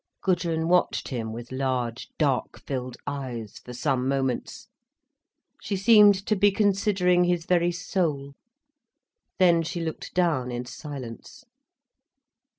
Gudrun watched him with large, dark filled eyes, for some moments. She seemed to be considering his very soul. Then she looked down, in silence.